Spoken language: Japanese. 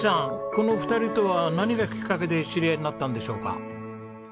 この２人とは何がきっかけで知り合いになったんでしょうか？